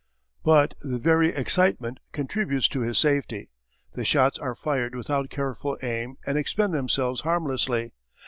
But their very excitement contributes to his safety. The shots are fired without careful aim and expend themselves harmlessly.